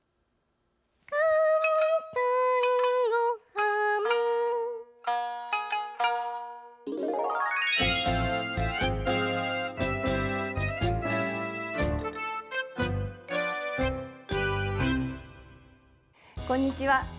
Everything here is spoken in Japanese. こんにちは。